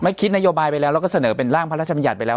คิดนโยบายไปแล้วแล้วก็เสนอเป็นร่างพระราชบัญญัติไปแล้ว